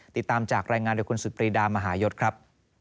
ติดตามจากรายงานโดยคุณสุดปรีดามหายศครับ